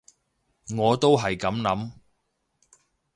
我都係噉諗